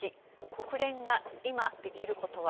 国連が今できることは？